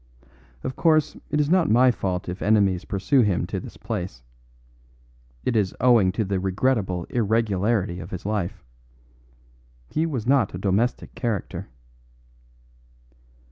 Of course, it is not my fault if enemies pursue him to this place. It is owing to the regrettable irregularity of his life. He was not a domestic character."